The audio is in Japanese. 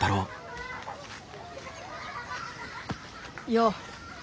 よう。